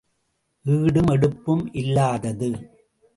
ஈடும் எடுப்பும் இல்லாதது.